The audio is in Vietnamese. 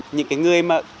những cái người mà